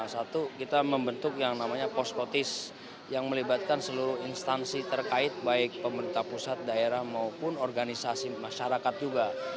satu kita membentuk yang namanya poskotis yang melibatkan seluruh instansi terkait baik pemerintah pusat daerah maupun organisasi masyarakat juga